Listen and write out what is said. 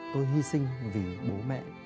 tôi hy sinh vì bố mẹ